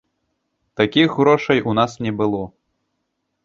Такіх грошай у нас не было.